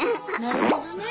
なるほどね。